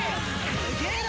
すげえな！